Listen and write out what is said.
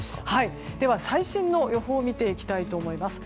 最新の予報を見ていきたいと思います。